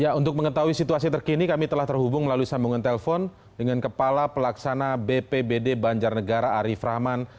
ya untuk mengetahui situasi terkini kami telah terhubung melalui sambungan telpon dengan kepala pelaksana bpbd banjarnegara arief rahman